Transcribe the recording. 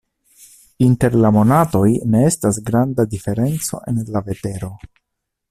Inter la monatoj ne estas granda diferenco en la vetero.